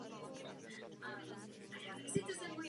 Z pivovaru se v podstatě nic nedochovalo.